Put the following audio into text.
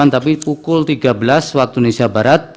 tapi pukul tiga belas waktu indonesia barat